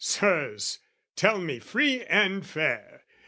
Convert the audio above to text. Sirs, tell me free and fair!